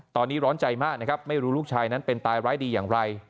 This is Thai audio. ตอนนี้ร้อนใจมากนะครับไม่รู้ลูกชายนั้นเป็นตายร้ายดีอย่างไร